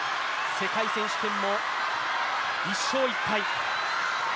世界選手権も１勝１敗。